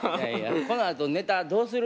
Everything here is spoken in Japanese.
このあとネタどうする？